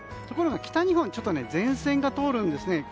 ところが、北日本は前線が通るんですね。